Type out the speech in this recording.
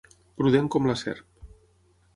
Prudent com la serp.